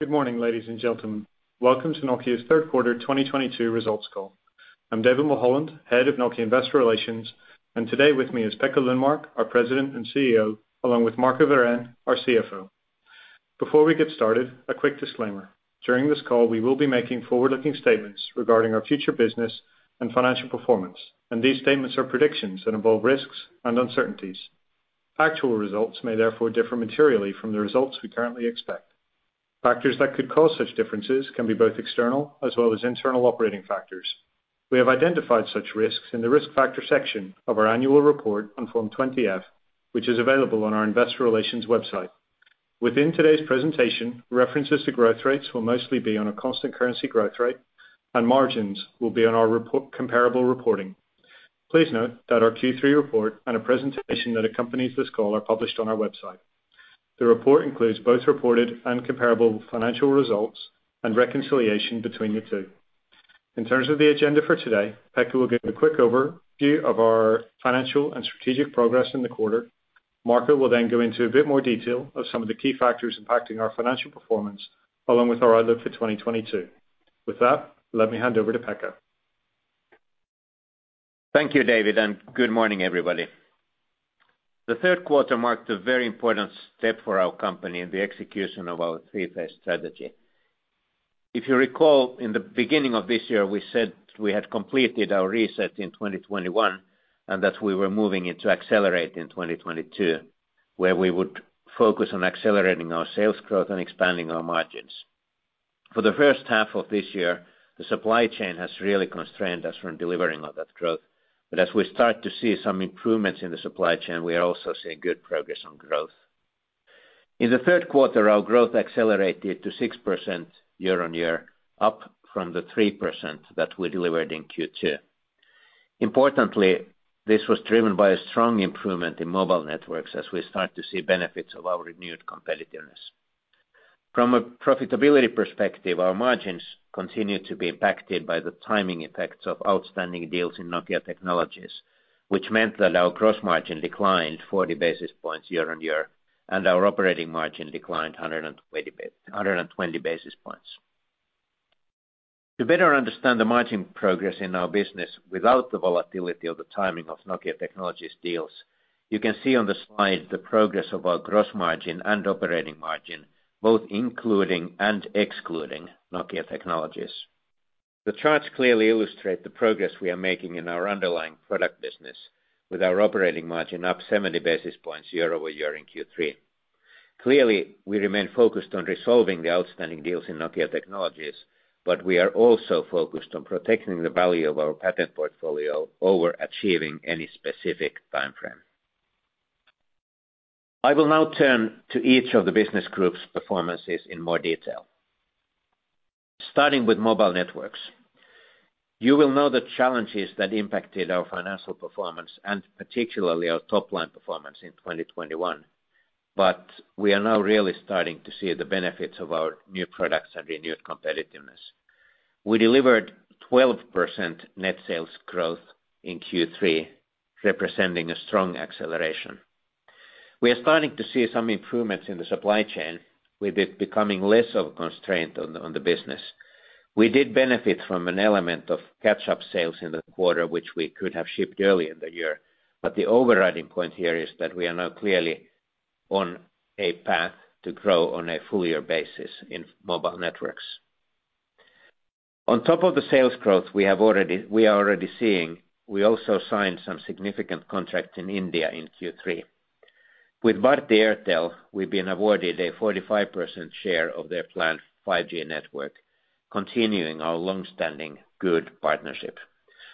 Good morning, ladies and gentlemen. Welcome to Nokia's Third Quarter 2022 Results Call. I'm David Mulholland, Head of Investor Relations, Nokia, and today with me is Pekka Lundmark, our President and CEO, along with Marco Wirén, our CFO. Before we get started, a quick disclaimer. During this call, we will be making forward-looking statements regarding our future business and financial performance, and these statements are predictions that involve risks and uncertainties. Actual results may therefore differ materially from the results we currently expect. Factors that could cause such differences can be both external as well as internal operating factors. We have identified such risks in the risk factor section of our annual report on Form 20-F, which is available on our investor relations website. Within today's presentation, references to growth rates will mostly be on a constant currency growth rate, and margins will be on our reported comparable reporting. Please note that our Q3 report and a presentation that accompanies this call are published on our website. The report includes both reported and comparable financial results and reconciliation between the two. In terms of the agenda for today, Pekka will give a quick overview of our financial and strategic progress in the quarter. Marco will then go into a bit more detail of some of the key factors impacting our financial performance, along with our outlook for 2022. With that, let me hand over to Pekka. Thank you, David, and good morning, everybody. The third quarter marked a very important step for our company in the execution of our three-phase strategy. If you recall, in the beginning of this year, we said we had completed our reset in 2021, and that we were moving into accelerate in 2022, where we would focus on accelerating our sales growth and expanding our margins. For the first half of this year, the supply chain has really constrained us from delivering on that growth. As we start to see some improvements in the supply chain, we are also seeing good progress on growth. In the third quarter, our growth accelerated to 6% YoY, up from the 3% that we delivered in Q2. Importantly, this was driven by a strong improvement in Mobile Networks as we start to see benefits of our renewed competitiveness. From a profitability perspective, our margins continued to be impacted by the timing effects of outstanding deals in Nokia Technologies, which meant that our gross margin declined 40 basis points YoY, and our operating margin declined 120 basis points. To better understand the margin progress in our business without the volatility of the timing of Nokia Technologies deals, you can see on the slide the progress of our gross margin and operating margin, both including and excluding Nokia Technologies. The charts clearly illustrate the progress we are making in our underlying product business with our operating margin up 70 basis points YoY in Q3. Clearly, we remain focused on resolving the outstanding deals in Nokia Technologies, but we are also focused on protecting the value of our patent portfolio over achieving any specific time frame. I will now turn to each of the business groups performances in more detail. Starting with Mobile Networks. You will know the challenges that impacted our financial performance, and particularly our top line performance in 2021, but we are now really starting to see the benefits of our new products and renewed competitiveness. We delivered 12% net sales growth in Q3, representing a strong acceleration. We are starting to see some improvements in the supply chain, with it becoming less of a constraint on the business. We did benefit from an element of catch-up sales in the quarter, which we could have shipped early in the year. The overriding point here is that we are now clearly on a path to grow on a full year basis in Mobile Networks. On top of the sales growth we are already seeing, we also signed some significant contracts in India in Q3. With Bharti Airtel, we've been awarded a 45% share of their planned 5G network, continuing our long-standing good partnership.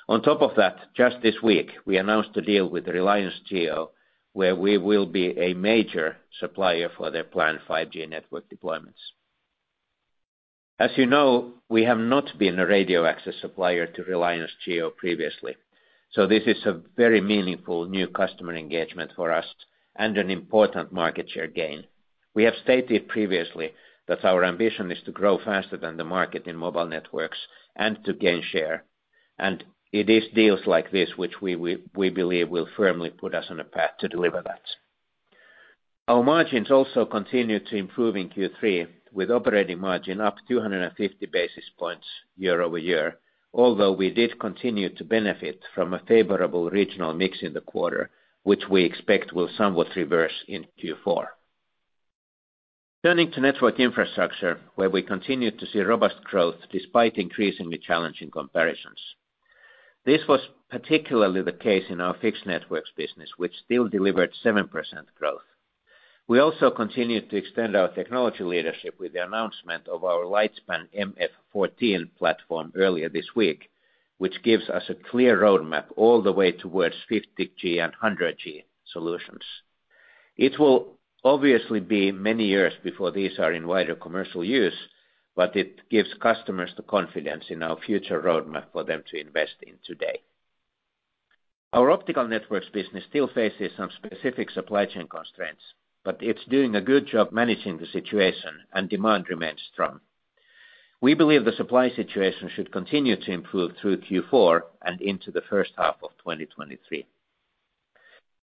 On top of that, just this week, we announced a deal with Reliance Jio, where we will be a major supplier for their planned 5G network deployments. As you know, we have not been a radio access supplier to Reliance Jio previously, so this is a very meaningful new customer engagement for us and an important market share gain. We have stated previously that our ambition is to grow faster than the market in mobile networks and to gain share. It is deals like this which we believe will firmly put us on a path to deliver that. Our margins also continued to improve in Q3 with operating margin up 250 basis points YoY. Although we did continue to benefit from a favorable regional mix in the quarter, which we expect will somewhat reverse in Q4. Turning to Network Infrastructure, where we continued to see robust growth despite increasingly challenging comparisons. This was particularly the case in our Fixed Networks business, which still delivered 7% growth. We also continued to extend our technology leadership with the announcement of our Lightspan MF-14 platform earlier this week, which gives us a clear roadmap all the way towards 50G and 100G solutions. It will obviously be many years before these are in wider commercial use, but it gives customers the confidence in our future roadmap for them to invest in today. Our Optical Networks business still faces some specific supply chain constraints, but it's doing a good job managing the situation and demand remains strong. We believe the supply situation should continue to improve through Q4 and into the first half of 2023.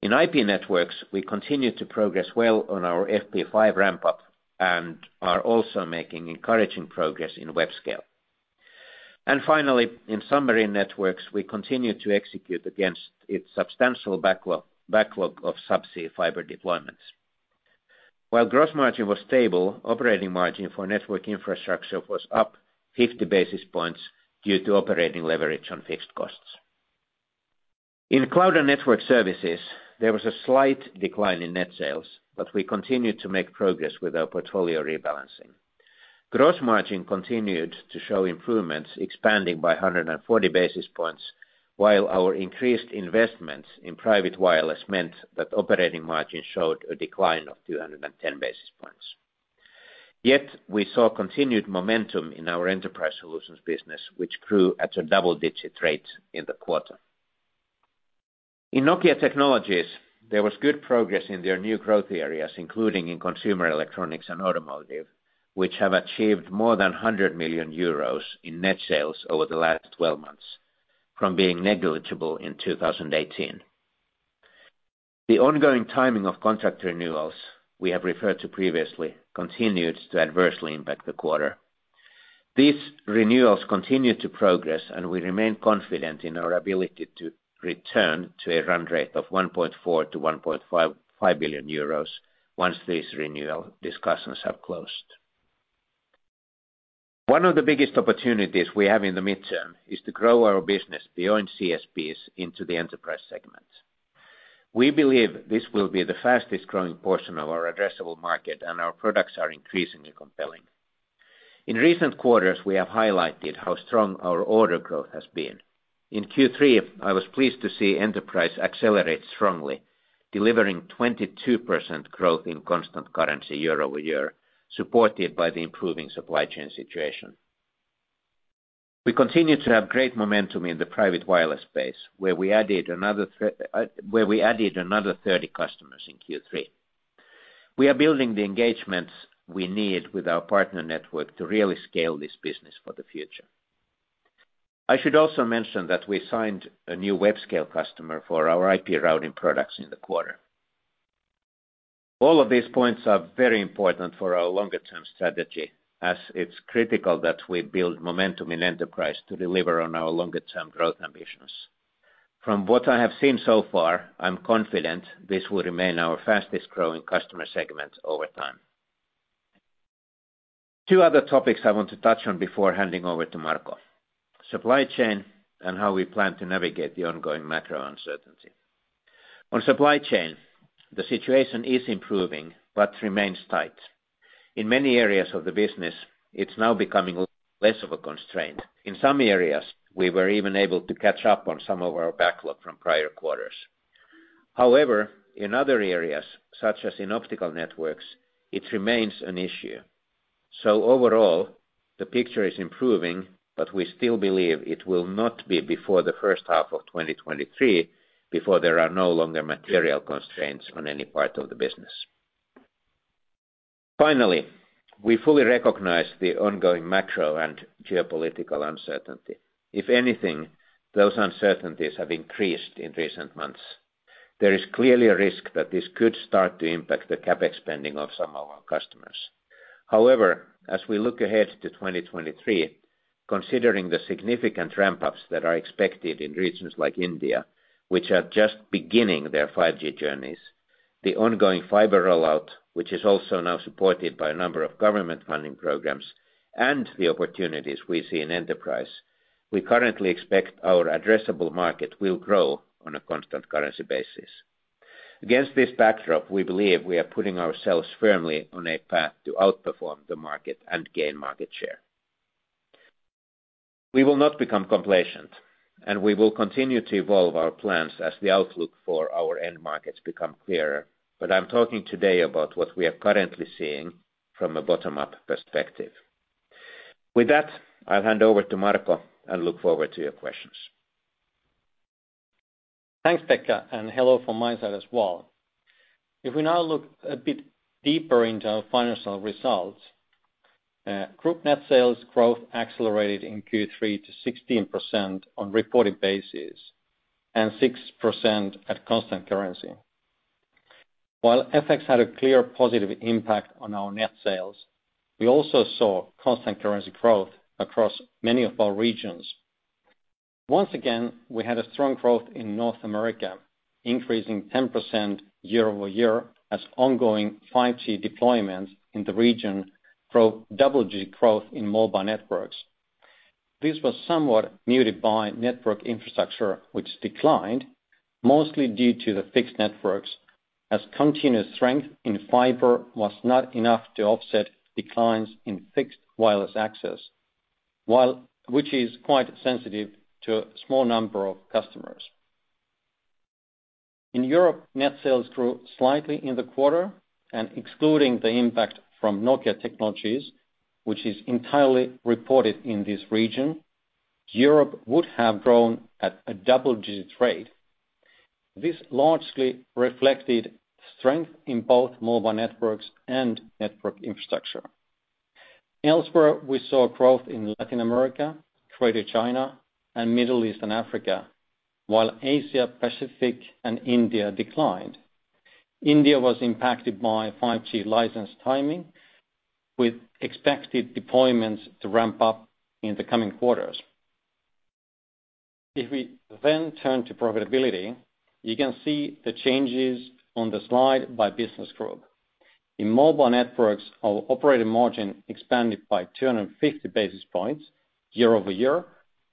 In IP Networks, we continue to progress well on our FP5 ramp up and are also making encouraging progress in web scale. Finally, in submarine networks, we continue to execute against its substantial backlog of subsea fiber deployments. While gross margin was stable, operating margin for Network Infrastructure was up 50 basis points due to operating leverage on fixed costs. In Cloud and Network Services, there was a slight decline in net sales, but we continued to make progress with our portfolio rebalancing. Gross margin continued to show improvements, expanding by 140 basis points, while our increased investments in private wireless meant that operating margin showed a decline of 210 basis points. Yet we saw continued momentum in our enterprise solutions business, which grew at a double-digit rate in the quarter. In Nokia Technologies, there was good progress in their new growth areas, including in consumer electronics and automotive, which have achieved more than 100 million euros in net sales over the last 12 months from being negligible in 2018. The ongoing timing of contract renewals we have referred to previously continued to adversely impact the quarter. These renewals continue to progress, and we remain confident in our ability to return to a run rate of 1.4 billion-1.55 billion euros once these renewal discussions have closed. One of the biggest opportunities we have in the mid-term is to grow our business beyond CSPs into the enterprise segment. We believe this will be the fastest-growing portion of our addressable market, and our products are increasingly compelling. In recent quarters, we have highlighted how strong our order growth has been. In Q3, I was pleased to see enterprise accelerate strongly, delivering 22% growth in constant currency year over year, supported by the improving supply chain situation. We continue to have great momentum in the private wireless space, where we added another 30 customers in Q3. We are building the engagements we need with our partner network to really scale this business for the future. I should also mention that we signed a new web-scale customer for our IP routing products in the quarter. All of these points are very important for our longer-term strategy, as it's critical that we build momentum in enterprise to deliver on our longer-term growth ambitions. From what I have seen so far, I'm confident this will remain our fastest-growing customer segment over time. Two other topics I want to touch on before handing over to Marco. Supply chain and how we plan to navigate the ongoing macro uncertainty. On supply chain, the situation is improving but remains tight. In many areas of the business, it's now becoming less of a constraint. In some areas, we were even able to catch up on some of our backlog from prior quarters. However, in other areas, such as in Optical Networks, it remains an issue. Overall, the picture is improving, but we still believe it will not be before the first half of 2023 before there are no longer material constraints on any part of the business. Finally, we fully recognize the ongoing macro and geopolitical uncertainty. If anything, those uncertainties have increased in recent months. There is clearly a risk that this could start to impact the CapEx spending of some of our customers. However, as we look ahead to 2023, considering the significant ramp-ups that are expected in regions like India, which are just beginning their 5G journeys, the ongoing fiber rollout, which is also now supported by a number of government funding programs, and the opportunities we see in enterprise, we currently expect our addressable market will grow on a constant currency basis. Against this backdrop, we believe we are putting ourselves firmly on a path to outperform the market and gain market share. We will not become complacent, and we will continue to evolve our plans as the outlook for our end markets become clearer. I'm talking today about what we are currently seeing from a bottom-up perspective. With that, I'll hand over to Marco and look forward to your questions. Thanks, Pekka, and hello from my side as well. If we now look a bit deeper into our financial results, group net sales growth accelerated in Q3 to 16% on reported basis and 6% at constant currency. While FX had a clear positive impact on our net sales, we also saw constant currency growth across many of our regions. Once again, we had a strong growth in North America, increasing 10% YoY as ongoing 5G deployments in the region drove double-digit growth in Mobile Networks. This was somewhat muted by Network Infrastructure, which declined mostly due to the Fixed Networks, as continuous strength in fiber was not enough to offset declines in fixed wireless access, which is quite sensitive to a small number of customers. In Europe, net sales grew slightly in the quarter, and excluding the impact from Nokia Technologies, which is entirely reported in this region, Europe would have grown at a double-digit rate. This largely reflected strength in both Mobile Networks and Network Infrastructure. Elsewhere, we saw growth in Latin America, Greater China, and Middle East and Africa, while Asia Pacific and India declined. India was impacted by 5G license timing, with expected deployments to ramp up in the coming quarters. If we then turn to profitability, you can see the changes on the slide by business group. In Mobile Networks, our operating margin expanded by 250 basis points year over year,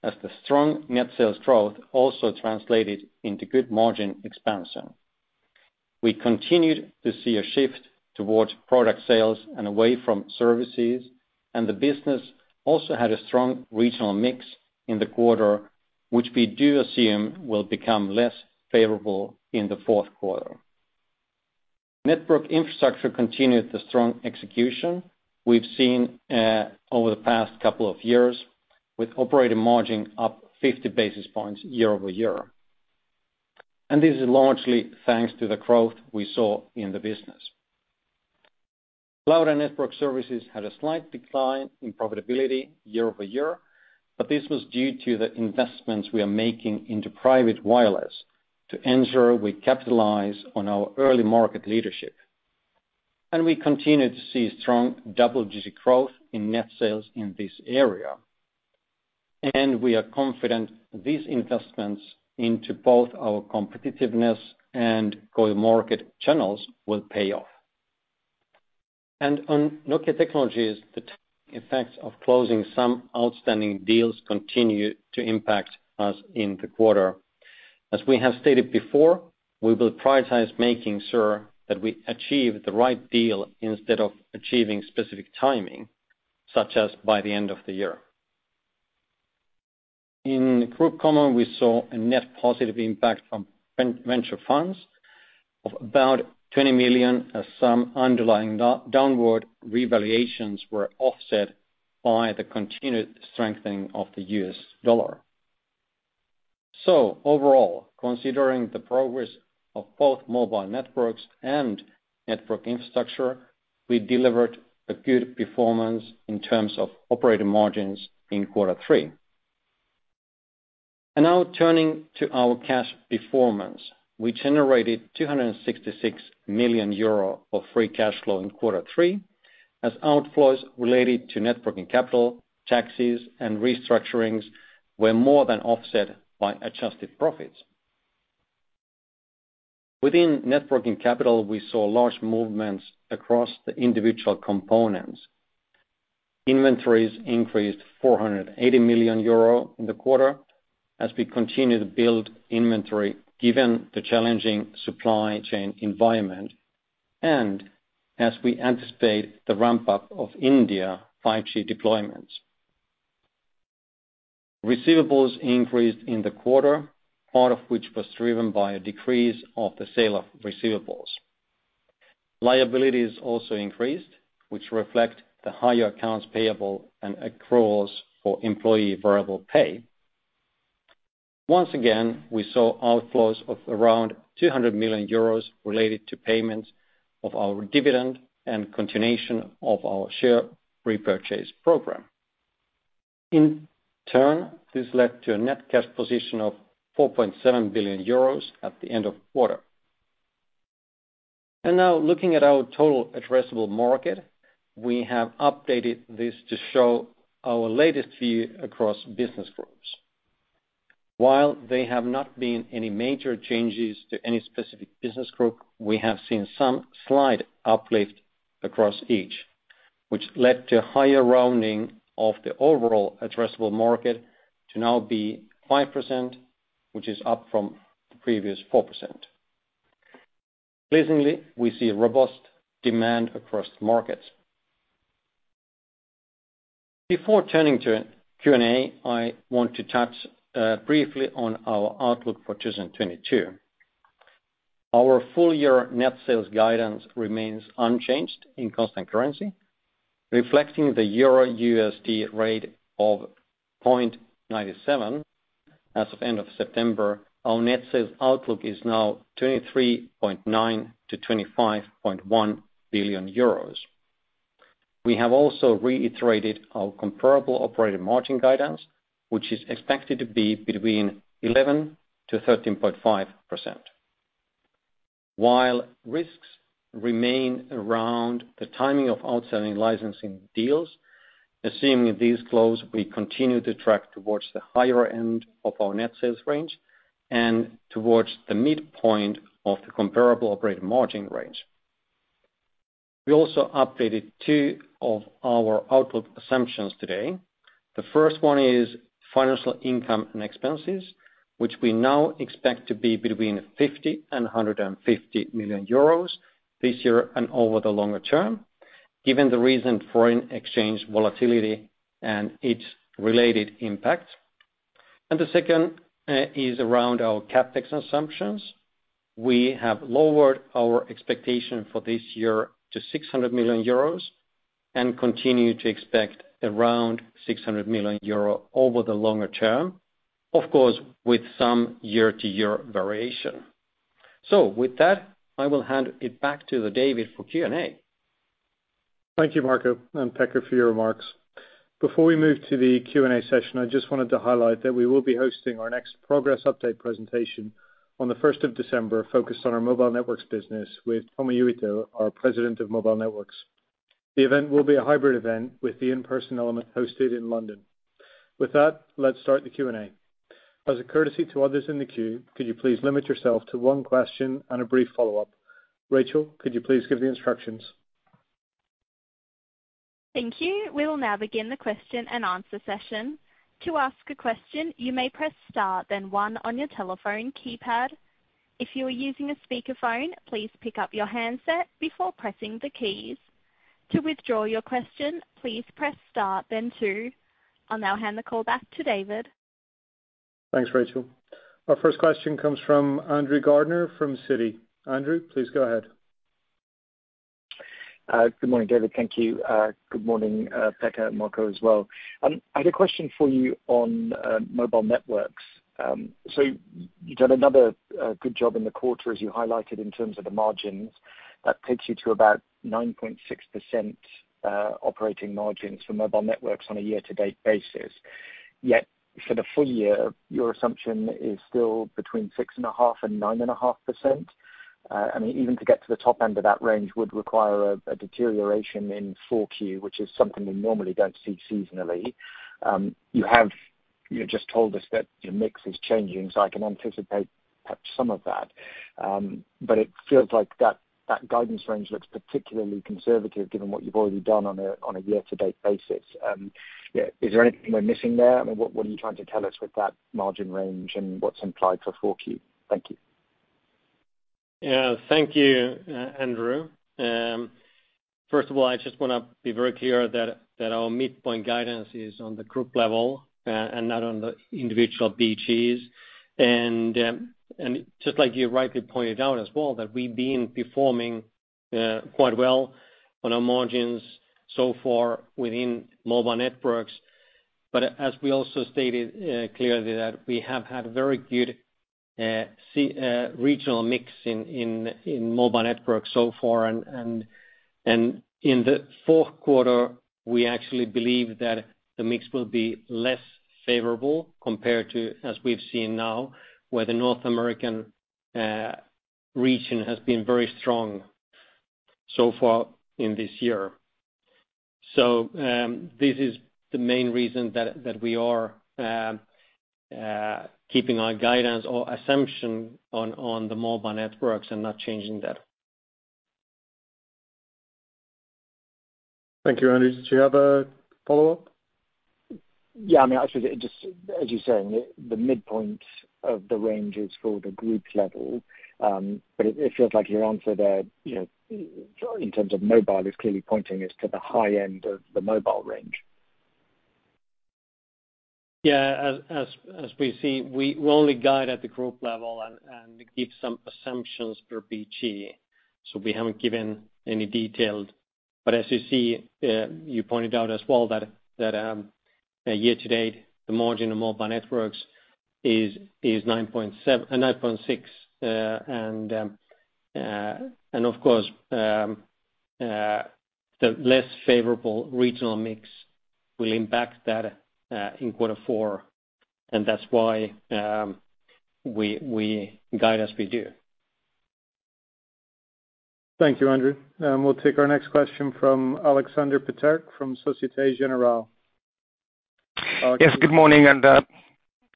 as the strong net sales growth also translated into good margin expansion. We continued to see a shift towards product sales and away from services, and the business also had a strong regional mix in the quarter, which we do assume will become less favorable in the fourth quarter. Network Infrastructure continued the strong execution we've seen over the past couple of years, with operating margin up 50 basis points YoY. This is largely thanks to the growth we saw in the business. Cloud and Network Services had a slight decline in profitability YoY, but this was due to the investments we are making into private wireless to ensure we capitalize on our early market leadership. We continue to see strong double-digit growth in net sales in this area. We are confident these investments into both our competitiveness and go-to-market channels will pay off. On Nokia Technologies, the timing effects of closing some outstanding deals continued to impact us in the quarter. As we have stated before, we will prioritize making sure that we achieve the right deal instead of achieving specific timing, such as by the end of the year. In Group Common, we saw a net positive impact from venture funds of about 20 million, as some underlying downward revaluations were offset by the continued strengthening of the US dollar. Overall, considering the progress of both Mobile Networks and Network Infrastructure, we delivered a good performance in terms of operating margins in quarter three. Now turning to our cash performance. We generated 266 million euro of free cash flow in quarter three, as outflows related to net working capital, taxes, and restructurings were more than offset by adjusted profits. Within net working capital, we saw large movements across the individual components. Inventories increased 480 million euro in the quarter as we continue to build inventory given the challenging supply chain environment and as we anticipate the ramp-up of India 5G deployments. Receivables increased in the quarter, part of which was driven by a decrease of the sale of receivables. Liabilities also increased, which reflect the higher accounts payable and accruals for employee variable pay. Once again, we saw outflows of around 200 million euros related to payments of our dividend and continuation of our share repurchase program. In turn, this led to a net cash position of 4.7 billion euros at the end of quarter. Now looking at our total addressable market, we have updated this to show our latest view across business groups. While there have not been any major changes to any specific business group, we have seen some slight uplift across each, which led to higher rounding of the overall addressable market to now be 5%, which is up from the previous 4%. Pleasingly, we see robust demand across the markets. Before turning to Q&A, I want to touch briefly on our outlook for 2022. Our full year net sales guidance remains unchanged in constant currency. Reflecting the euro-USD rate of 0.97 as of end of September, our net sales outlook is now 23.9 billion-25.1 billion euros. We have also reiterated our comparable operating margin guidance, which is expected to be between 11 to 13.5%. While risks remain around the timing of outstanding licensing deals, assuming these close, we continue to track towards the higher end of our net sales range and towards the midpoint of the comparable operating margin range. We also updated two of our outlook assumptions today. The first one is financial income and expenses, which we now expect to be between 50 million and 150 million euros this year and over the longer term, given the recent foreign exchange volatility and its related impact. The second is around our CapEx assumptions. We have lowered our expectation for this year to 600 million euros and continue to expect around 600 million euro over the longer term, of course, with some year-to-year variation. With that, I will hand it back to David for Q&A. Thank you, Marco and Pekka for your remarks. Before we move to the Q&A session, I just wanted to highlight that we will be hosting our next progress update presentation on the first of December, focused on our Mobile Networks business with Tommi Uitto, our President of Mobile Networks. The event will be a hybrid event with the in-person element hosted in London. With that, let's start the Q&A. As a courtesy to others in the queue, could you please limit yourself to one question and a brief follow-up. Rachel, could you please give the instructions? Thank you. We will now begin the question and answer session. To ask a question, you may press Star, then one on your telephone keypad. If you are using a speakerphone, please pick up your handset before pressing the keys. To withdraw your question, please press Star then two. I'll now hand the call back to David. Thanks, Rachel. Our first question comes from Andrew Gardiner from Citi. Andrew, please go ahead. Good morning, David. Thank you. Good morning, Pekka and Marco as well. I had a question for you on Mobile Networks. So you've done another good job in the quarter as you highlighted in terms of the margins. That takes you to about 9.6% operating margins for Mobile Networks on a year-to-date basis. Yet for the full year, your assumption is still between 6.5% - 9.5%. I mean, even to get to the top end of that range would require a deterioration in 4Q, which is something we normally don't see seasonally. You just told us that your mix is changing, so I can anticipate perhaps some of that. It feels like that guidance range looks particularly conservative given what you've already done on a year-to-date basis. Yeah, is there anything we're missing there? I mean, what are you trying to tell us with that margin range and what's implied for four Q? Thank you. Yeah, thank you, Andrew. First of all, I just wanna be very clear that our midpoint guidance is on the group level and not on the individual BGs. Just like you rightly pointed out as well, we've been performing quite well on our margins so far within Mobile Networks. But as we also stated clearly, we have had very good regional mix in Mobile Networks so far, and in the fourth quarter, we actually believe that the mix will be less favorable compared to as we've seen now, where the North American region has been very strong so far in this year. This is the main reason that we are keeping our guidance or assumption on Mobile Networks and not changing that. Thank you. Andrew, did you have a follow-up? Yeah, I mean, actually just as you're saying, the midpoint of the range is for the group level. It feels like your answer there, you know, in terms of mobile is clearly pointing us to the high end of the mobile range. Yeah. As we see, we only guide at the group level and give some assumptions per BG. We haven't given any detailed. As you see, you pointed out as well that year-to-date, the margin on Mobile Networks is 9.6%. Of course, the less favorable regional mix will impact that in quarter four, and that's why we guide as we do. Thank you, Andrew. We'll take our next question from Aleksander Peterc from Societe Generale. Alexandre. Yes, good morning.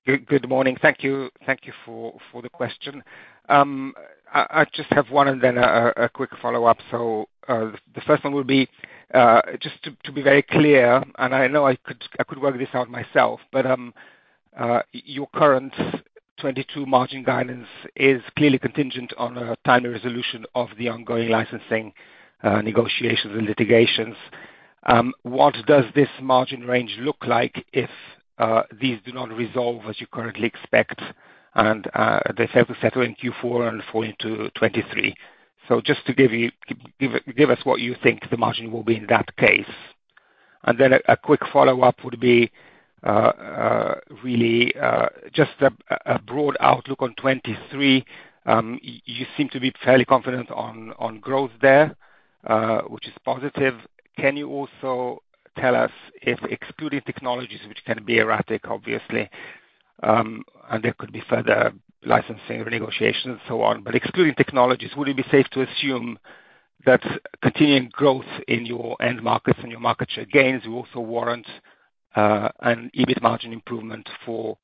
Good morning. Thank you. Thank you for the question. I just have one and then a quick follow-up. The first one would be just to be very clear, and I know I could work this out myself, but your current 2022 margin guidance is clearly contingent on a timely resolution of the ongoing licensing negotiations and litigations. What does this margin range look like if these do not resolve as you currently expect and they have to settle in Q4 and fall into 2023? Just give us what you think the margin will be in that case. A quick follow-up would be really just a broad outlook on 2023. You seem to be fairly confident on growth there, which is positive. Can you also tell us if excluding technologies which can be erratic, obviously, and there could be further licensing renegotiations and so on. Excluding technologies, would it be safe to assume that continuing growth in your end markets and your market share gains will also warrant an EBIT margin improvement for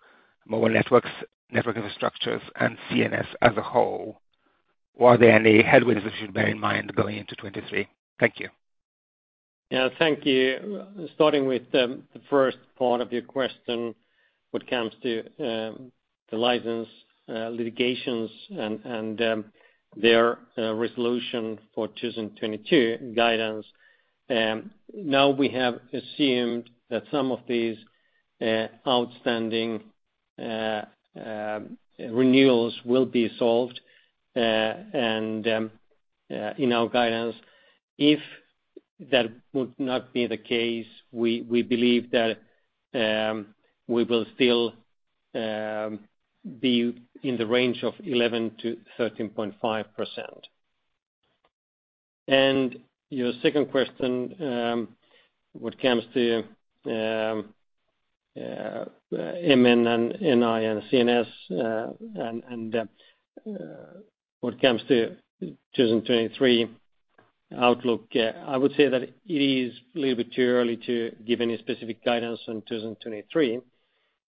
Mobile Networks, Network Infrastructure and CNS as a whole? Were there any headwinds we should bear in mind going into 2023? Thank you. Yeah, thank you. Starting with the first part of your question, when it comes to the licensing litigations and their resolution for 2022 guidance. Now we have assumed that some of these outstanding renewals will be solved. In our guidance, if that would not be the case, we believe that we will still be in the range of 11%-13.5%. Your second question, when it comes to MN and NI and CNS, and when it comes to 2023 outlook, I would say that it is a little bit too early to give any specific guidance on 2023.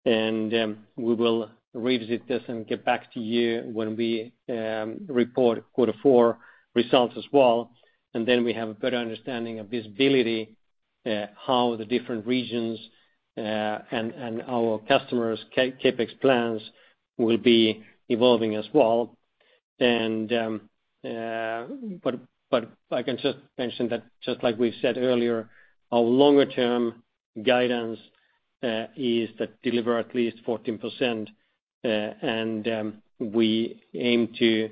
We will revisit this and get back to you when we report Q4 results as well. We have a better understanding of visibility, how the different regions and our customers' CapEx plans will be evolving as well. I can just mention that just like we said earlier, our longer term guidance is to deliver at least 14%. We aim to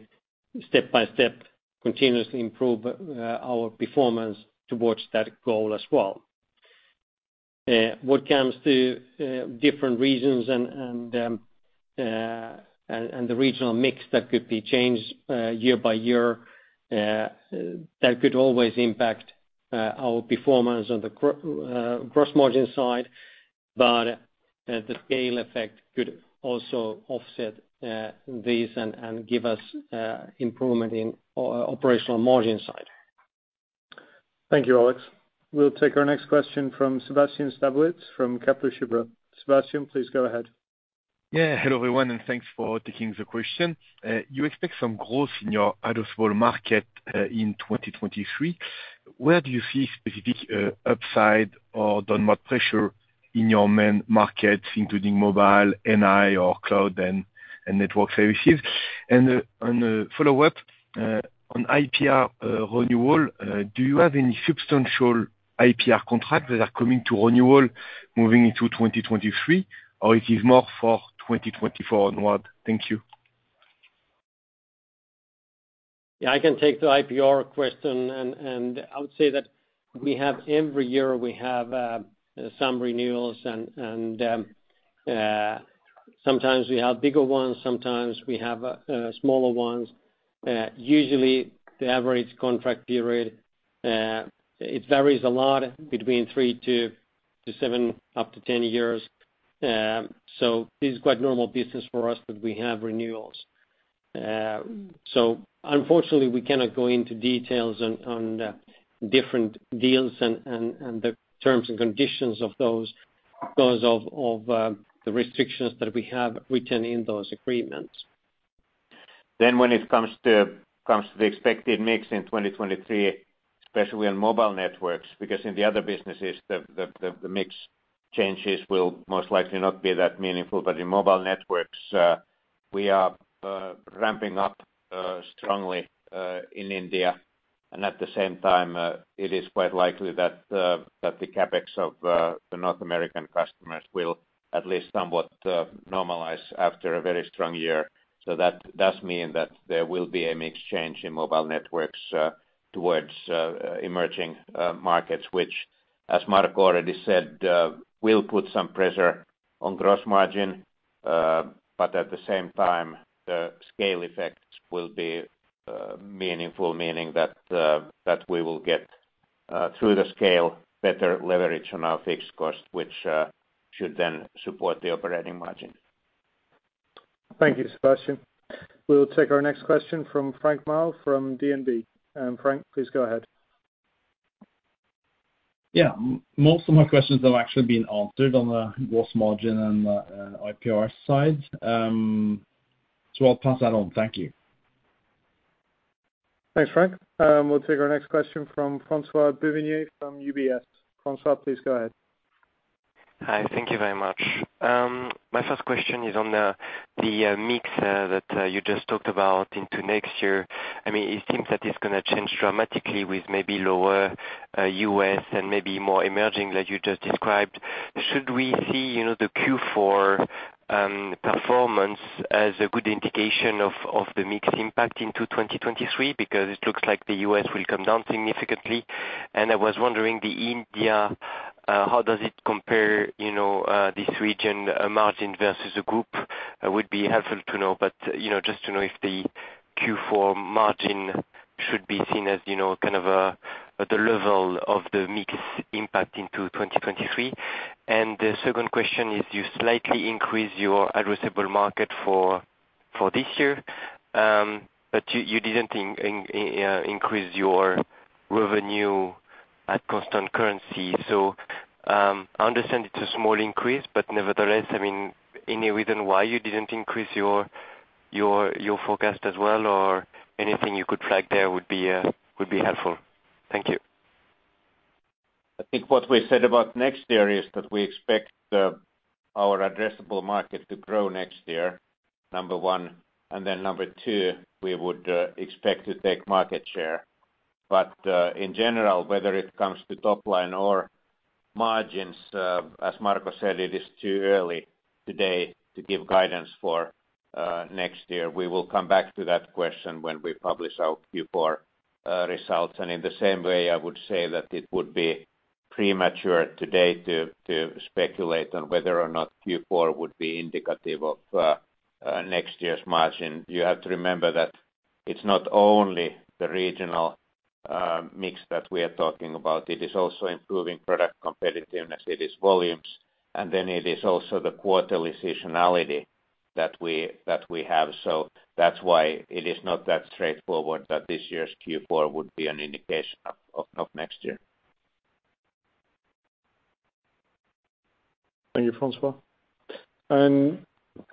step by step continuously improve our performance towards that goal as well. When it comes to different regions and the regional mix that could be changed year by year, that could always impact our performance on the gross margin side. The scale effect could also offset this and give us improvement in operating margin side. Thank you, Alex. We'll take our next question from Sebastian Sztabowicz from Kepler Cheuvreux. Sebastian, please go ahead. Yeah. Hello, everyone, and thanks for taking the question. You expect some growth in your addressable market in 2023. Where do you see specific upside or downward pressure in your main markets, including mobile, NI or cloud and network services? A follow-up on IPR renewal. Do you have any substantial IPR contracts that are coming to renewal moving into 2023, or it is more for 2024 onward? Thank you. Yeah, I can take the IPR question and I would say that we have every year some renewals and sometimes we have bigger ones, sometimes we have smaller ones. Usually the average contract period it varies a lot between 3 years-7 years, up to 10 years. This is quite normal business for us that we have renewals. Unfortunately, we cannot go into details on the different deals and the terms and conditions of those because of the restrictions that we have written in those agreements. When it comes to the expected mix in 2023, especially on Mobile Networks, because in the other businesses the mix changes will most likely not be that meaningful. In Mobile Networks, we are ramping up strongly in India. At the same time, it is quite likely that the CapEx of the North American customers will at least somewhat normalize after a very strong year. That does mean that there will be a mix change in Mobile Networks towards emerging markets, which, as Marco already said, will put some pressure on gross margin. At the same time, the scale effects will be meaningful, meaning that we will get through the scale better leverage on our fixed cost, which should then support the operating margin. Thank you, Sebastian. We'll take our next question from Frank Maaø from DNB. Frank, please go ahead. Yeah. Most of my questions have actually been answered on the gross margin and the IPR side. I'll pass that on. Thank you. Thanks, Frank. We'll take our next question from Francois-Xavier Bouvignies from UBS. Francois, please go ahead. Hi. Thank you very much. My first question is on the mix that you just talked about into next year. I mean, it seems that it's gonna change dramatically with maybe lower U.S. and maybe more emerging like you just described. Should we see, you know, the Q4 performance as a good indication of the mix impact into 2023? Because it looks like the U.S. will come down significantly. I was wondering the India how does it compare, you know, this region margin versus the group? Would be helpful to know, but you know, just to know if the Q4 margin should be seen as, you know, kind of a at the level of the mix impact into 2023. The second question is you slightly increase your addressable market for this year, but you didn't increase your revenue at constant currency. I understand it's a small increase, but nevertheless, I mean, any reason why you didn't increase your forecast as well or anything you could flag there would be helpful. Thank you. I think what we said about next year is that we expect our addressable market to grow next year, number one. Number two, we would expect to take market share. In general, whether it comes to top line or margins, as Marco said, it is too early today to give guidance for next year. We will come back to that question when we publish our Q4 results. In the same way, I would say that it would be premature today to speculate on whether or not Q4 would be indicative of next year's margin. You have to remember that it's not only the regional mix that we are talking about, it is also improving product competitiveness, it is volumes, and then it is also the quarterly seasonality that we have. That's why it is not that straightforward that this year's Q4 would be an indication of next year. Thank you, François.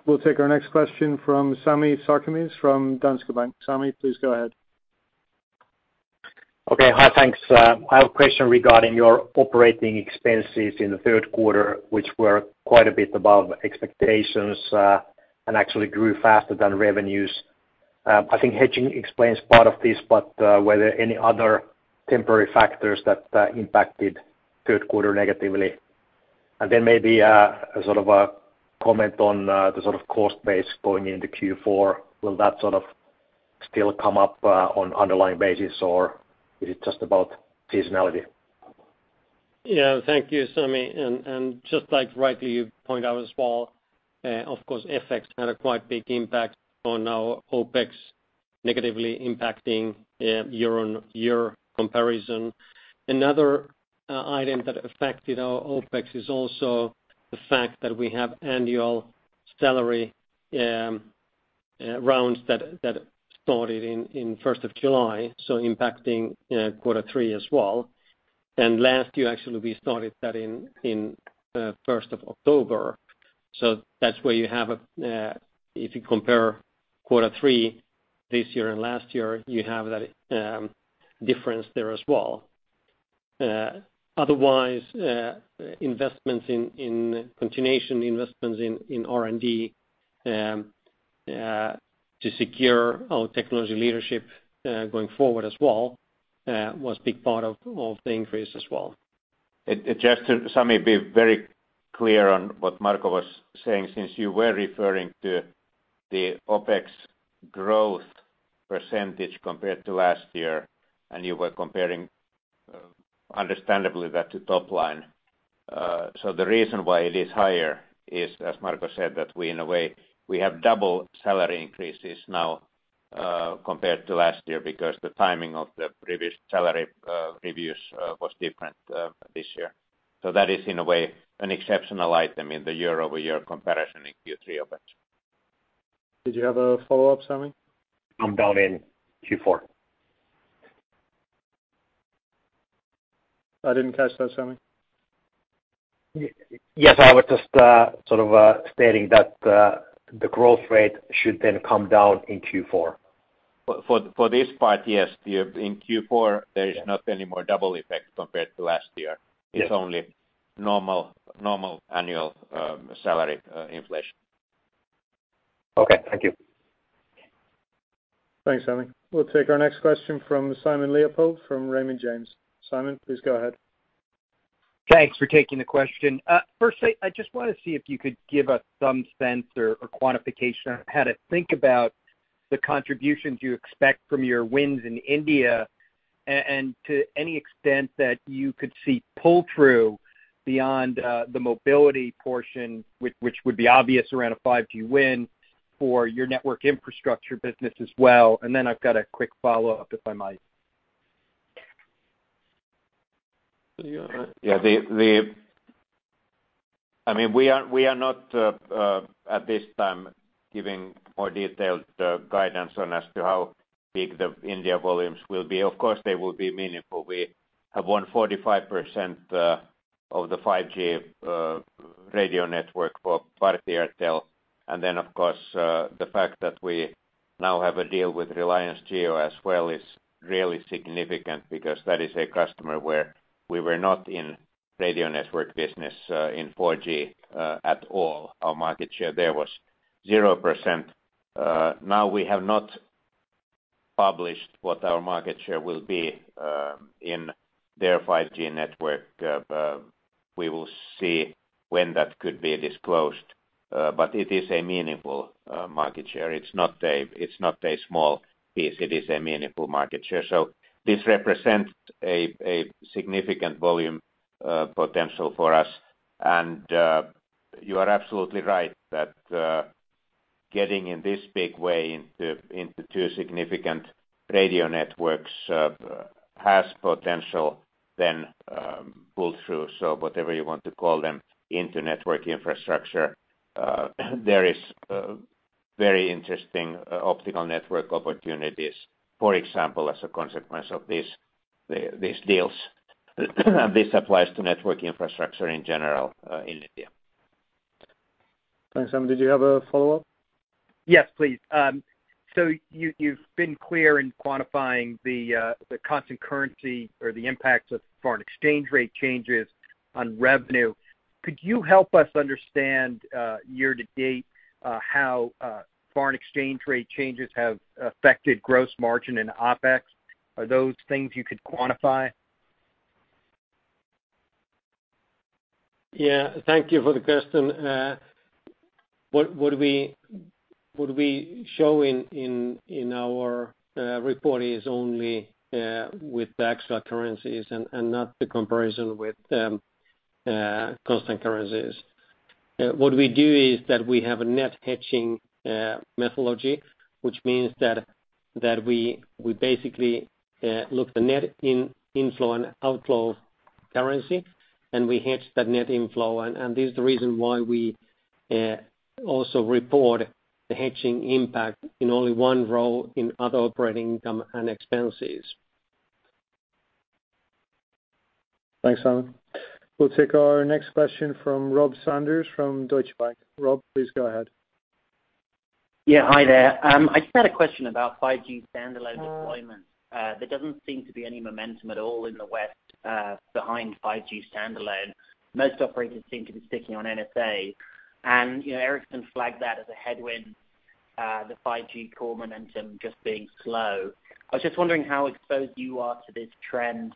We'll take our next question from Sami Sarkamies from Danske Bank. Sami, please go ahead. Okay. Hi, thanks. I have a question regarding your OpExs in the third quarter, which were quite a bit above expectations, and actually grew faster than revenues. I think hedging explains part of this, but were there any other temporary factors that impacted third quarter negatively? Maybe a sort of a comment on the sort of cost base going into Q4. Will that sort of still come up on underlying basis, or is it just about seasonality? Yeah. Thank you, Sami. Just like rightly, you point out as well, of course, FX had a quite big impact on our OpEx, negatively impacting YoY comparison. Another item that affected our OpEx is also the fact that we have annual salary rounds that started in first of July, so impacting, you know, quarter three as well. Last year, actually, we started that in first of October. That's where you have a if you compare quarter three this year and last year, you have that difference there as well. Otherwise, investments in continuation investments in R&D to secure our technology leadership going forward as well was big part of the increase as well. Just to Sami be very clear on what Marco was saying, since you were referring to the OpEx growth percentage compared to last year, and you were comparing, understandably that to top line. The reason why it is higher is, as Marco said, that we in a way, we have double salary increases now, compared to last year because the timing of the previous salary, reviews, was different, this year. That is, in a way, an exceptional item in the YoY comparison in Q3 OpEx. Did you have a follow-up, Sami? Come down in Q4. I didn't catch that, Sami. Yes, I was just sort of stating that the growth rate should then come down in Q4. For this part, yes, then in Q4 there is not any more double effect compared to last year. Yeah. It's only normal annual salary inflation. Okay. Thank you. Thanks, Sami. We'll take our next question from Simon Leopold from Raymond James. Simon, please go ahead. Thanks for taking the question. Firstly, I just wanna see if you could give us some sense or quantification on how to think about the contributions you expect from your wins in India, and to any extent that you could see pull-through beyond the mobility portion, which would be obvious around a 5G win for your Network Infrastructure business as well. Then I've got a quick follow-up, if I might. Yeah. Yeah. I mean, we are not at this time giving more detailed guidance as to how big the India volumes will be. Of course, they will be meaningful. We have won 45% of the 5G radio network for Bharti Airtel. Of course, the fact that we now have a deal with Reliance Jio as well is really significant because that is a customer where we were not in radio network business in 4G at all. Our market share there was 0%. Now we have not published what our market share will be in their 5G network. We will see when that could be disclosed. It is a meaningful market share. It's not a small piece, it is a meaningful market share. This represents a significant volume potential for us. You are absolutely right that getting in this big way into two significant radio networks has potential then pull-through, so whatever you want to call them, into Network Infrastructure. There is very interesting Optical Networks opportunities, for example, as a consequence of these deals. This applies to Network Infrastructure in general in India. Thanks. Simon, did you have a follow-up? Yes, please. You've been clear in quantifying the constant currency or the impacts of foreign exchange rate changes on revenue. Could you help us understand, year to date, how foreign exchange rate changes have affected gross margin and OpEx? Are those things you could quantify? Yeah. Thank you for the question. What we show in our report is only with the actual currencies and not the comparison with constant currencies. What we do is that we have a net hedging methodology, which means that we basically look at the net inflow and outflow of currency, and we hedge that net inflow. This is the reason why we also report the hedging impact in only one row in other operating income and expenses. Thanks, Simon. We'll take our next question from Robert Sanders from Deutsche Bank. Rob, please go ahead. Yeah. Hi there. I just had a question about 5G Standalone deployment. There doesn't seem to be any momentum at all in the West behind 5G Standalone. Most operators seem to be sticking on NSA. You know, Ericsson flagged that as a headwind, the 5G core momentum just being slow. I was just wondering how exposed you are to this trend?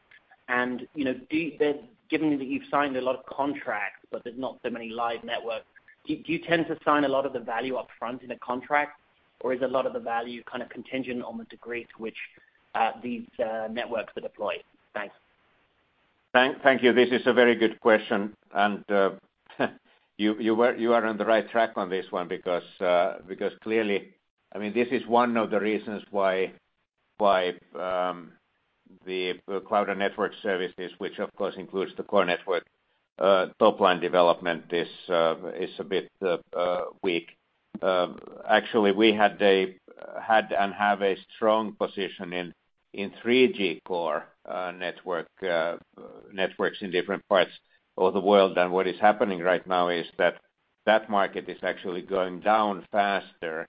You know, do you then, given that you've signed a lot of contracts, but there's not so many live networks, do you tend to sign a lot of the value up front in a contract, or is a lot of the value kind of contingent on the degree to which these networks are deployed? Thanks. Thank you. This is a very good question. You are on the right track on this one because clearly, I mean, this is one of the reasons why the Cloud and Network Services, which of course includes the core network, top line development is a bit weak. Actually, we had and have a strong position in 3G core networks in different parts of the world. What is happening right now is that market is actually going down faster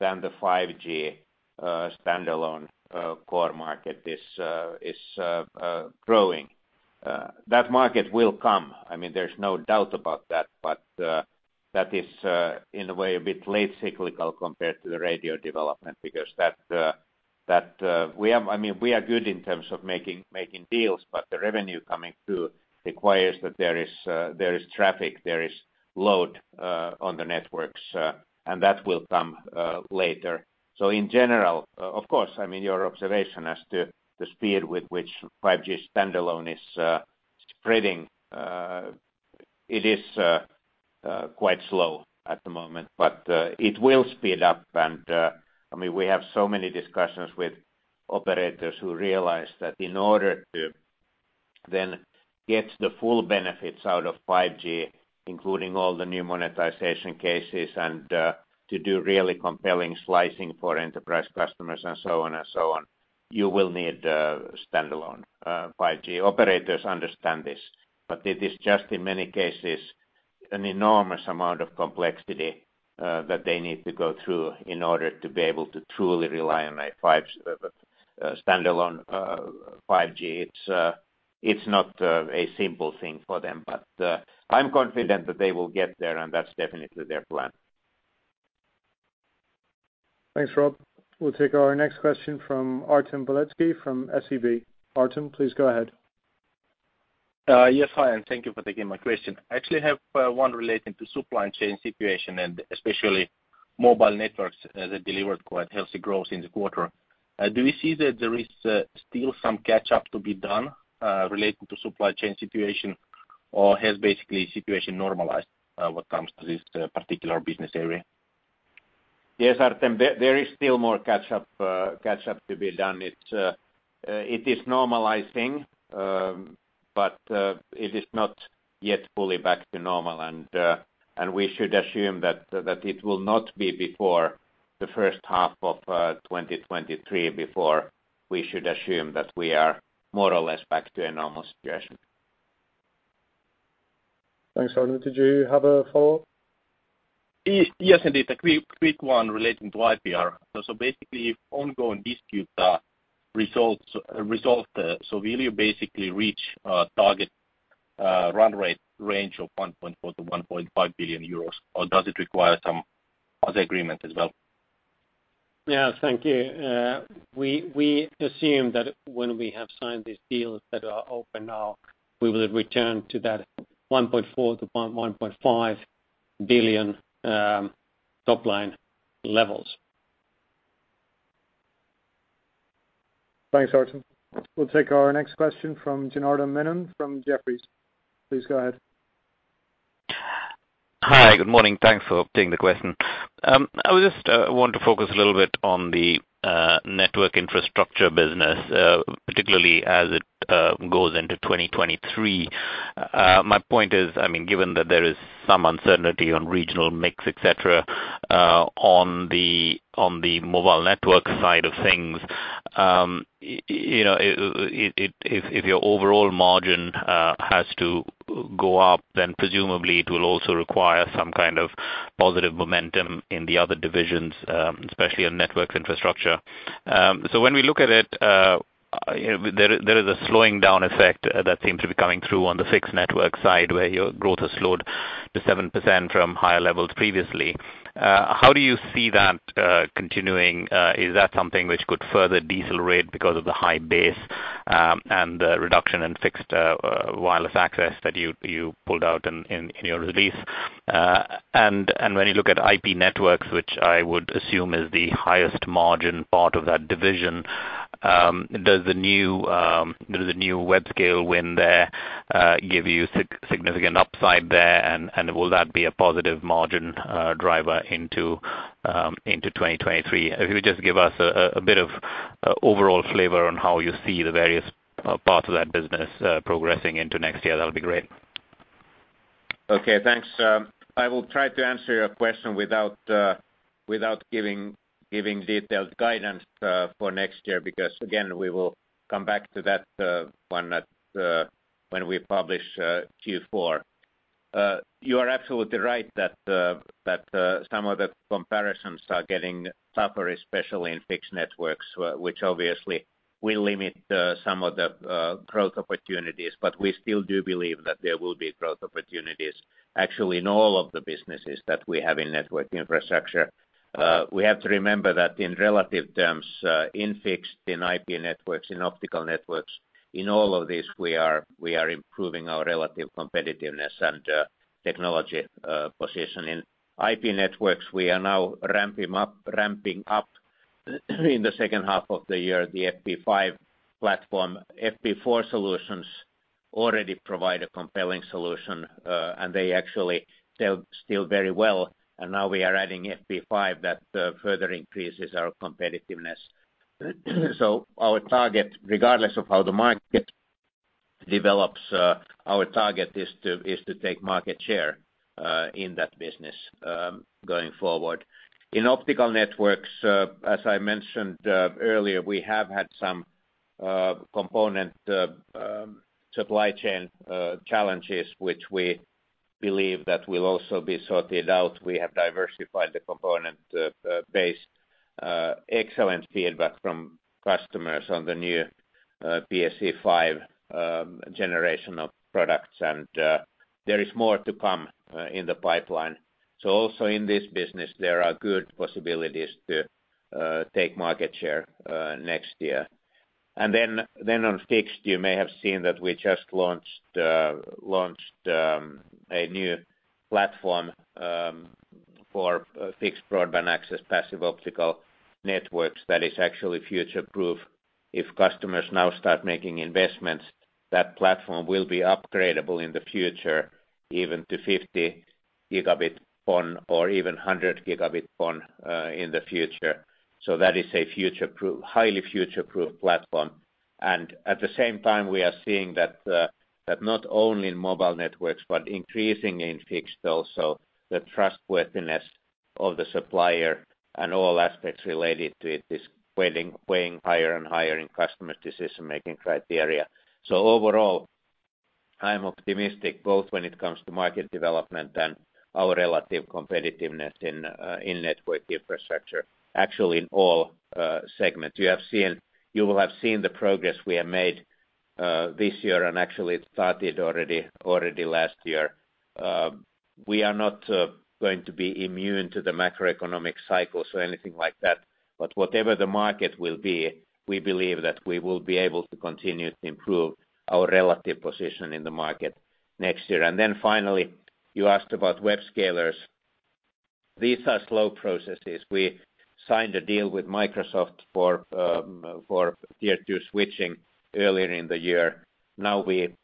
than the 5G Standalone core market is growing. That market will come. I mean, there's no doubt about that. That is in a way a bit late cyclical compared to the radio development because we have I mean we are good in terms of making deals, but the revenue coming through requires that there is traffic, there is load on the networks, and that will come later. In general, of course, I mean, your observation as to the speed with which 5G Standalone is spreading, it is quite slow at the moment. It will speed up. I mean, we have so many discussions with operators who realize that in order to then get the full benefits out of 5G, including all the new monetization cases and to do really compelling slicing for enterprise customers and so on and so on, you will need 5G Standalone. Operators understand this, but it is just, in many cases, an enormous amount of complexity that they need to go through in order to be able to truly rely on 5G Standalone. It's not a simple thing for them. I'm confident that they will get there, and that's definitely their plan. Thanks, Rob. We'll take our next question from Artem Beletski from SEB. Artem, please go ahead. Yes. Hi, and thank you for taking my question. I actually have one relating to supply chain situation, and especially Mobile Networks as they delivered quite healthy growth in the quarter. Do we see that there is still some catch-up to be done relating to supply chain situation, or has the situation basically normalized when it comes to this particular business area? Yes, Artem. There is still more catch-up to be done. It is normalizing, but it is not yet fully back to normal. We should assume that it will not be before the first half of 2023 before we should assume that we are more or less back to a normal situation. Thanks, Artem. Did you have a follow-up? Yes, indeed. A quick one relating to IPR. Basically, if ongoing disputes are resolved, will you basically reach a target run rate range of 1.4 billion-1.5 billion euros, or does it require some other agreement as well? Yeah. Thank you. We assume that when we have signed these deals that are open now, we will return to that 1.4 billion-1.5 billion top line levels. Thanks, Artem. We'll take our next question from Janardan Menon from Jefferies. Please go ahead. Hi. Good morning. Thanks for taking the question. I would just want to focus a little bit on the Network Infrastructure business, particularly as it goes into 2023. My point is, I mean, given that there is some uncertainty on regional mix, etc., on the Mobile Networks side of things, you know, if your overall margin has to go up, then presumably it will also require some kind of positive momentum in the other divisions, especially on Network Infrastructure. When we look at it, there is a slowing down effect that seems to be coming through on the Fixed Networks side where your growth has slowed. To 7% from higher levels previously. How do you see that continuing? Is that something which could further decelerate because of the high base, and the reduction in fixed wireless access that you pulled out in your release? When you look at IP Networks, which I would assume is the highest margin part of that division, does the new web scale win there give you significant upside there and will that be a positive margin driver into 2023? If you would just give us a bit of overall flavor on how you see the various parts of that business progressing into next year, that'll be great. Okay, thanks. I will try to answer your question without giving detailed guidance for next year, because again, we will come back to that one at when we publish Q4. You are absolutely right that some of the comparisons are getting tougher, especially in Fixed Networks, which obviously will limit some of the growth opportunities. We still do believe that there will be growth opportunities actually in all of the businesses that we have in Network Infrastructure. We have to remember that in relative terms, in Fixed, in IP Networks, in Optical Networks, in all of these, we are improving our relative competitiveness and technology position. In IP Networks, we are now ramping up in the second half of the year, the FP5 platform. FP4 solutions already provide a compelling solution, and they actually sell still very well. Now we are adding FP5 that further increases our competitiveness. Our target, regardless of how the market develops, our target is to take market share in that business going forward. In optical networks, as I mentioned earlier, we have had some component supply chain challenges, which we believe that will also be sorted out. We have diversified the component base. Excellent feedback from customers on the new PSE five generation of products. There is more to come in the pipeline. Also in this business, there are good possibilities to take market share next year. On fixed, you may have seen that we just launched a new platform for fixed broadband access, passive optical networks that is actually future-proof. If customers now start making investments, that platform will be upgradable in the future, even to 50 Gb PON or even 100 Gb PON in the future. That is a future-proof, highly future-proof platform. At the same time, we are seeing that not only in mobile networks, but increasing in fixed also, the trustworthiness of the supplier and all aspects related to it is weighing higher and higher in customers' decision-making criteria. Overall, I am optimistic both when it comes to market development and our relative competitiveness in network infrastructure, actually in all segments. You will have seen the progress we have made this year and actually it started already last year. We are not going to be immune to the macroeconomic cycles or anything like that. Whatever the market will be, we believe that we will be able to continue to improve our relative position in the market next year. Finally, you asked about web scalers. These are slow processes. We signed a deal with Microsoft for tier two switching earlier in the year. Now we've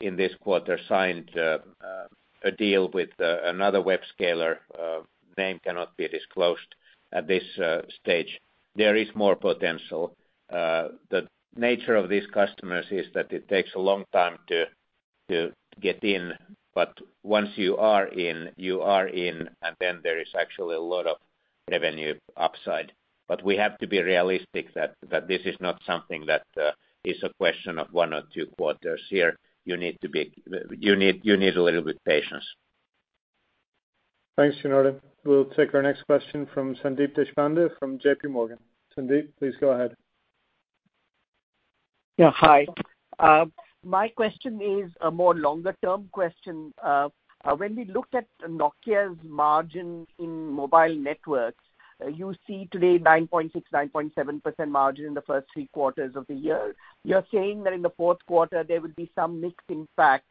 in this quarter signed a deal with another web scaler name cannot be disclosed at this stage. There is more potential. The nature of these customers is that it takes a long time to get in, but once you are in, and then there is actually a lot of revenue upside. We have to be realistic that this is not something that is a question of one or two quarters here. You need a little bit of patience. Thanks, Janardan Menon. We'll take our next question from Sandeep Deshpande from J.P. Morgan. Sandeep, please go ahead. Yeah. Hi. My question is a more longer-term question. When we looked at Nokia's margin in Mobile Networks, you see today 9.6%, 9.7% margin in the first three quarters of the year. You're saying that in the fourth quarter, there will be some mix impact.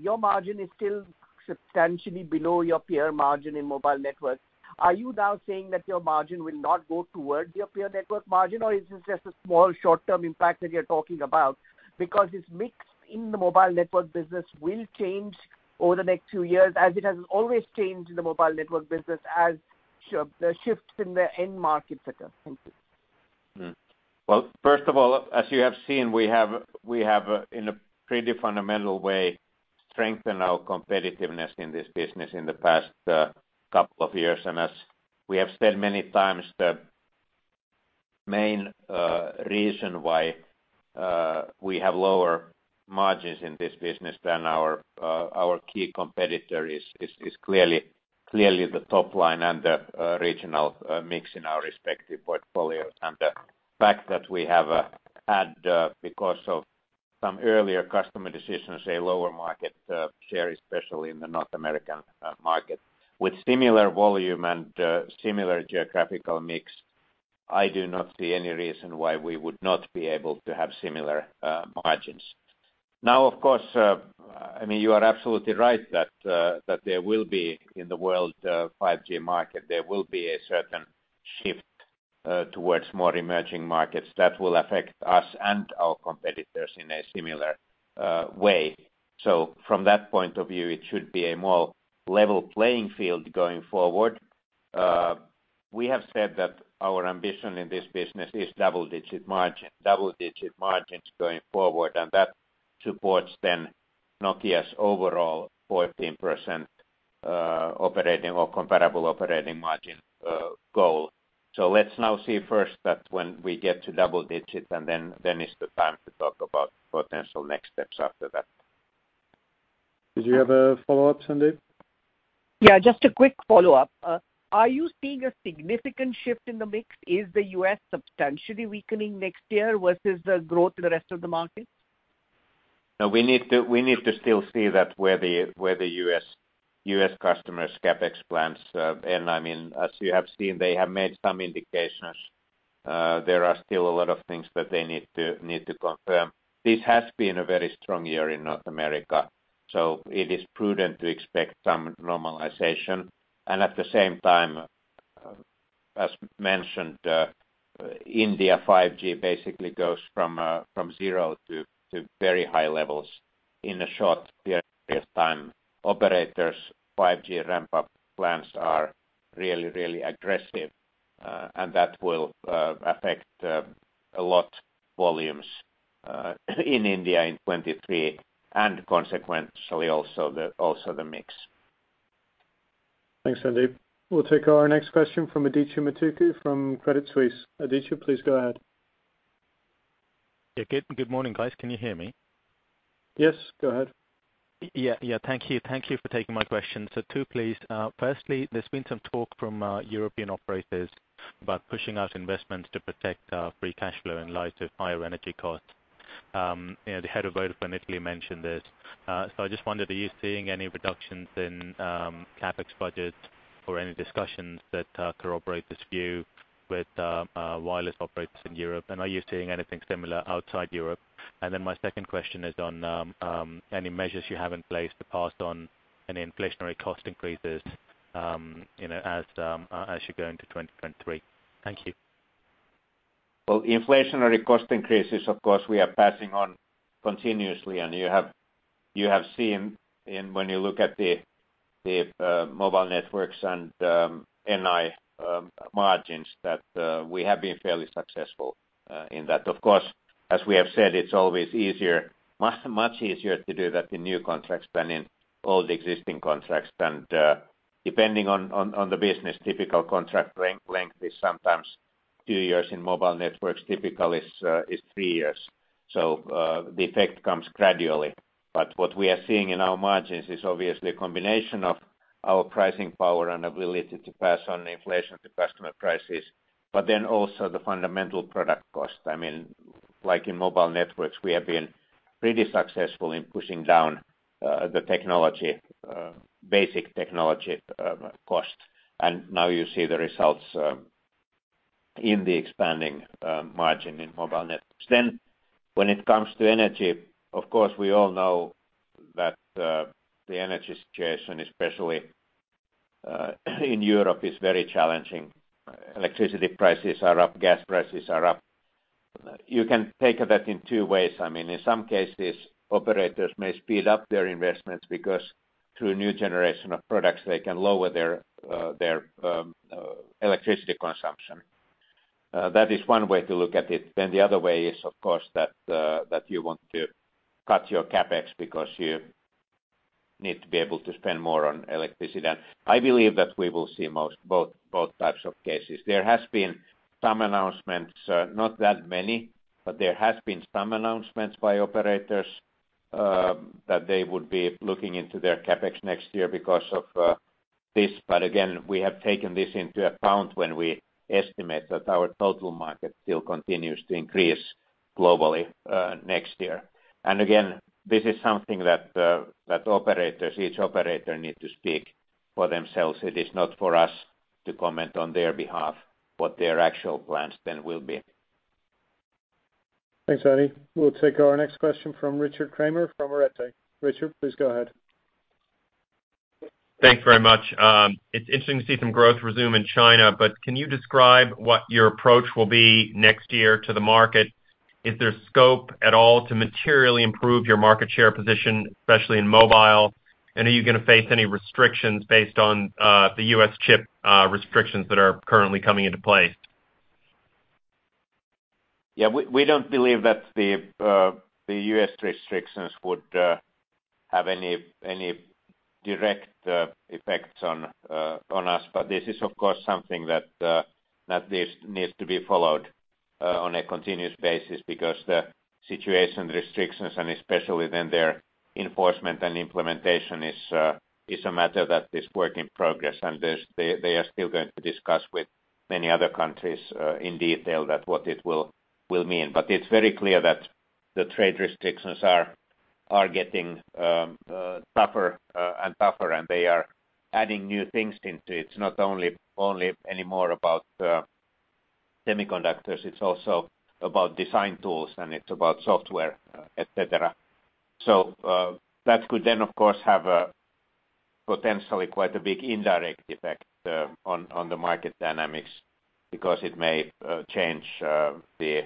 Your margin is still substantially below your peer margin in Mobile Networks. Are you now saying that your margin will not go towards your peer network margin, or is this just a small short-term impact that you're talking about? Because this mix in the Mobile Networks business will change over the next two years, as it has always changed in the Mobile Networks business as the shifts in the end market sector. Thank you. Well, first of all, as you have seen, we have in a pretty fundamental way strengthened our competitiveness in this business in the past couple of years. As we have said many times, the main reason why we have lower margins in this business than our key competitor is clearly the top line and the regional mix in our respective portfolios. The fact that we have had because of some earlier customer decisions a lower market share, especially in the North American market. With similar volume and similar geographical mix, I do not see any reason why we would not be able to have similar margins. Now, of course, I mean, you are absolutely right that there will be, in the world, 5G market, there will be a certain shift towards more emerging markets that will affect us and our competitors in a similar way. From that point of view, it should be a more level playing field going forward. We have said that our ambition in this business is double-digit margin, double-digit margins going forward, and that supports then Nokia's overall 14% operating or comparable operating margin goal. Let's now see first that when we get to double digit, and then is the time to talk about potential next steps after that. Did you have a follow-up, Sandeep? Yeah, just a quick follow-up. Are you seeing a significant shift in the mix? Is the U.S. substantially weakening next year versus the growth in the rest of the markets? No, we need to still see that where the U.S. customers' CapEx plans, and I mean, as you have seen, they have made some indications. There are still a lot of things that they need to confirm. This has been a very strong year in North America, so it is prudent to expect some normalization. At the same time, as mentioned, India 5G basically goes from zero to very high levels in a short period of time. Operators' 5G ramp-up plans are really aggressive, and that will affect a lot volumes in India in 2023, and consequently also the mix. Thanks, Sandeep. We'll take our next question from Adithya Metuku from Credit Suisse. Adithya, please go ahead. Yeah. Good morning, guys. Can you hear me? Yes, go ahead. Yeah, yeah. Thank you. Thank you for taking my question. Two, please. Firstly, there's been some talk from European operators about pushing out investments to protect free cash flow in light of higher energy costs. You know, the head of Vodafone Italy mentioned this. I just wondered, are you seeing any reductions in CapEx budget or any discussions that corroborate this view with wireless operators in Europe? And are you seeing anything similar outside Europe? And then my second question is on any measures you have in place to pass on any inflationary cost increases, you know, as you go into 2023. Thank you. Well, inflationary cost increases, of course, we are passing on continuously, and you have seen, when you look at the Mobile Networks and NI margins, that we have been fairly successful in that. Of course, as we have said, it's always easier, much easier to do that in new contracts than in old existing contracts. Depending on the business, typical contract length is sometimes two years. In Mobile Networks, typical is three years. The effect comes gradually. What we are seeing in our margins is obviously a combination of our pricing power and ability to pass on inflation to customer prices, but then also the fundamental product cost. I mean, like in Mobile Networks, we have been pretty successful in pushing down the basic technology cost. Now you see the results in the expanding margin in Mobile Networks. When it comes to energy, of course, we all know that the energy situation, especially in Europe, is very challenging. Electricity prices are up. Gas prices are up. You can take that in two ways. I mean, in some cases, operators may speed up their investments because through a new generation of products they can lower their electricity consumption. That is one way to look at it. The other way is, of course, that you want to cut your CapEx because you need to be able to spend more on electricity. I believe that we will see most both types of cases. There has been some announcements, not that many, but there has been some announcements by operators that they would be looking into their CapEx next year because of this. Again, we have taken this into account when we estimate that our total market still continues to increase globally next year. Again, this is something that operators, each operator need to speak for themselves. It is not for us to comment on their behalf, what their actual plans then will be. Thanks, Adi. We'll take our next question from Richard Kramer from Arete. Richard, please go ahead. Thanks very much. It's interesting to see some growth resume in China, but can you describe what your approach will be next year to the market? Is there scope at all to materially improve your market share position, especially in mobile? Are you gonna face any restrictions based on the U.S. chip restrictions that are currently coming into play? Yeah. We don't believe that the U.S. restrictions would have any direct effects on us. This is, of course, something that needs to be followed on a continuous basis because the situation restrictions and especially then their enforcement and implementation is a matter that is work in progress. They are still going to discuss with many other countries in detail what it will mean. It's very clear that the trade restrictions are getting tougher and tougher, and they are adding new things into it. It's not only anymore about semiconductors, it's also about design tools, and it's about software, etc.. That could then, of course, have a potentially quite a big indirect effect on the market dynamics because it may change the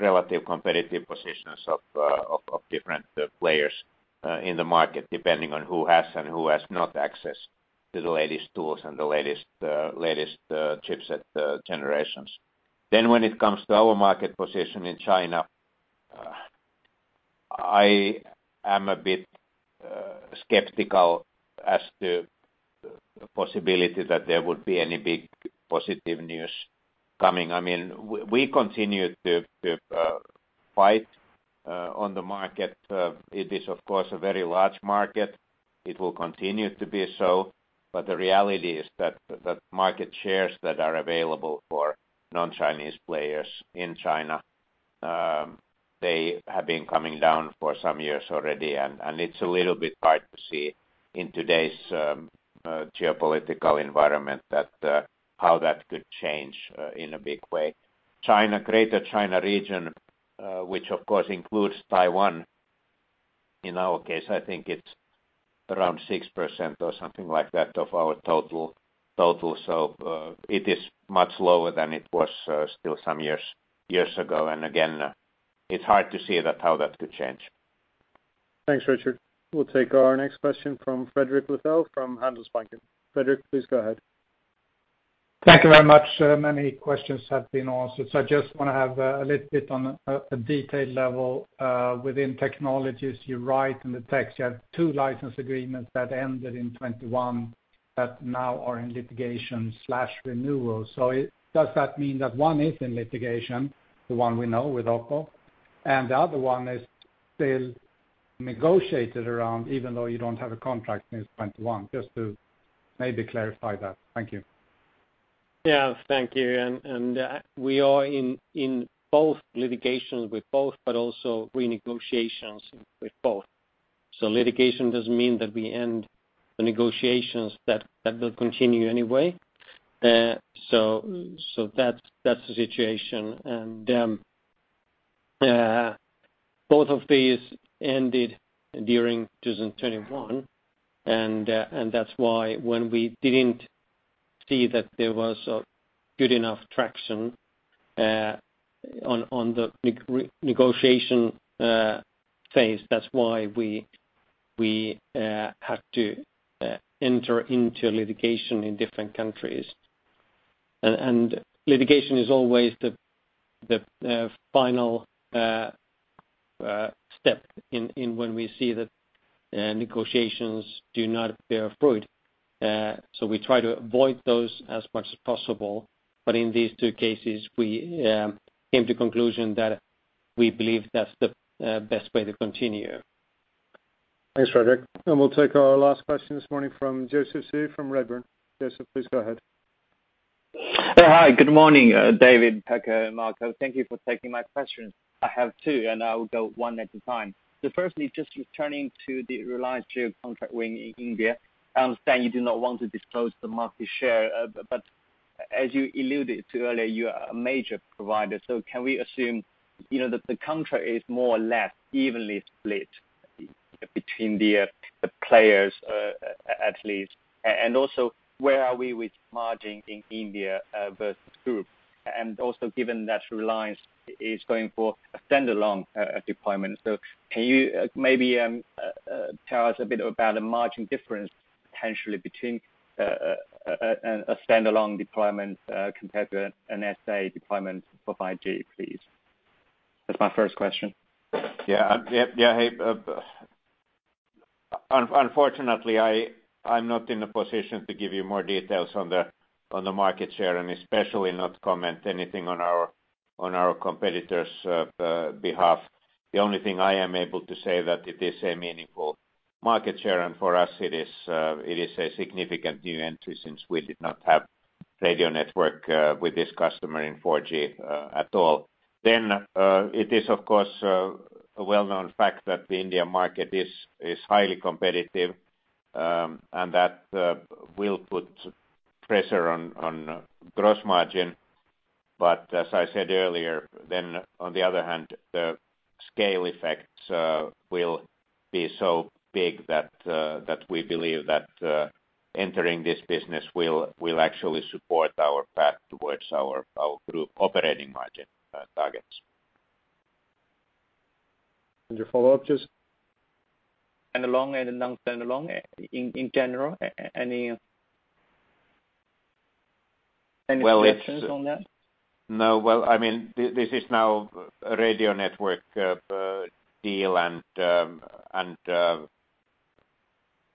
relative competitive positions of different players in the market, depending on who has and who has not access to the latest tools and the latest chipset generations. When it comes to our market position in China, I am a bit skeptical as to the possibility that there would be any big positive news coming. I mean, we continue to fight on the market. It is, of course, a very large market. It will continue to be so, but the reality is that the market shares that are available for non-Chinese players in China, they have been coming down for some years already, and it's a little bit hard to see in today's geopolitical environment that how that could change in a big way. China, Greater China region, which of course includes Taiwan, in our case, I think it's around 6% or something like that of our total. It is much lower than it was still some years ago. It's hard to see that how that could change. Thanks, Richard. We'll take our next question from Fredrik Lithell from Handelsbanken. Fredrik, please go ahead. Thank you very much. Many questions have been answered, so I just wanna have a little bit on a detail level within technologies. You write in the text you have two license agreements that ended in 2021 that now are in litigation or renewal. Does that mean that one is in litigation, the one we know with OPPO, and the other one is still negotiated around even though you don't have a contract since 2021? Just to maybe clarify that. Thank you. Yeah, thank you. We are in both litigations with both, but also renegotiations with both. Litigation doesn't mean that we end the negotiations. That will continue anyway. That's the situation. Both of these ended during 2021, and that's why when we didn't see that there was a good enough traction on the negotiation phase, that's why we had to enter into litigation in different countries. Litigation is always the final step when we see that negotiations do not bear fruit. We try to avoid those as much as possible. But in these two cases, we came to conclusion that we believe that's the best way to continue. Thanks, Fredrik. We'll take our last question this morning from Joseph Zhou from Redburn. Joseph, please go ahead. Yeah. Hi, good morning, David, Pekka, and Marco. Thank you for taking my questions. I have two, and I will go one at a time. Firstly, just returning to the Reliance Jio contract win in India, I understand you do not want to disclose the market share. But as you alluded to earlier, you are a major provider, so can we assume, you know, that the contract is more or less evenly split between the players, at least? And also, where are we with margin in India versus group? And also given that Reliance is going for a standalone deployment. Can you maybe tell us a bit about the margin difference potentially between a standalone deployment compared to an SA deployment for 5G, please? That's my first question. Yeah. Yeah, yeah, hey, unfortunately, I'm not in a position to give you more details on the market share, and especially not comment anything on our competitors' behalf. The only thing I am able to say that it is a meaningful market share, and for us it is a significant new entry since we did not have radio network with this customer in 4G at all. It is of course a well-known fact that the Indian market is highly competitive, and that will put pressure on gross margin. As I said earlier, on the other hand, the scale effects will be so big that we believe that entering this business will actually support our path towards our group operating margin targets. Your follow-up, Joseph? Standalone and non-standalone. In general, any predictions on that? No. Well, I mean, this is now a radio network deal, and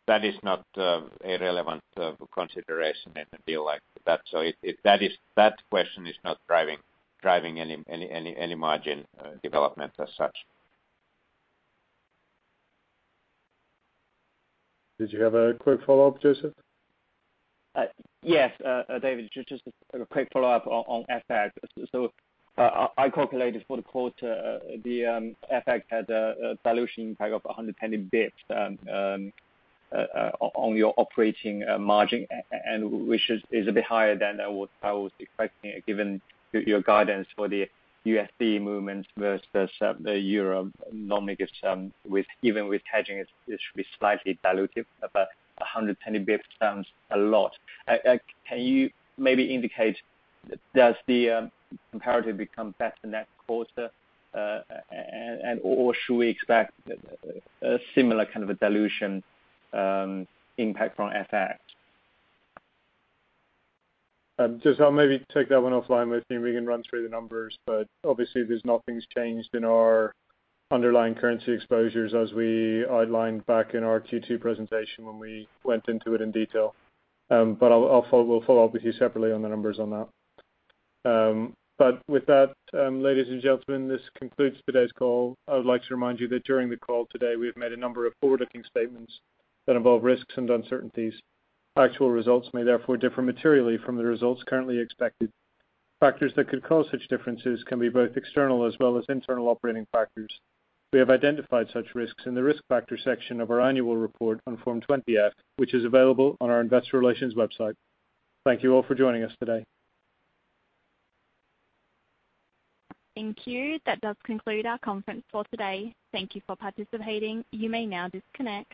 that is not a relevant consideration in a deal like that. That question is not driving any margin development as such. Did you have a quick follow-up, Joseph? Yes, David, just a quick follow-up on FX. I calculated for the quarter, the FX had a dilution impact of 110 basis points on your operating margin, and which is a bit higher than I was expecting given your guidance for the USD movements versus the euro, normally gives, even with hedging it should be slightly dilutive. About 110 basis points sounds a lot. Can you maybe indicate, does the comparative become better next quarter, or should we expect a similar kind of a dilution impact from FX? Joseph, I'll maybe take that one offline with you, and we can run through the numbers, but obviously there's nothing's changed in our underlying currency exposures as we outlined back in our Q2 presentation when we went into it in detail. We'll follow up with you separately on the numbers on that. With that, ladies and gentlemen, this concludes today's call. I would like to remind you that during the call today, we have made a number of forward-looking statements that involve risks and uncertainties. Actual results may therefore differ materially from the results currently expected. Factors that could cause such differences can be both external as well as internal operating factors. We have identified such risks in the Risk Factors section of our annual report on Form 20-F, which is available on our investor relations website. Thank you all for joining us today. Thank you. That does conclude our conference for today. Thank you for participating. You may now disconnect.